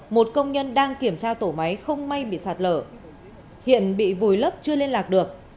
một công nhân đang kiểm tra tổ máy không may bị sạt lở hiện bị vùi lấp chưa liên lạc được